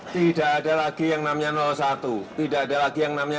tidak ada lagi yang namanya satu tidak ada lagi yang namanya